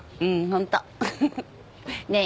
ホント。ねえ。